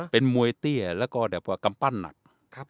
เป็นมวยเตี้ยแล้วก็แบบว่ากำปั้นหนัก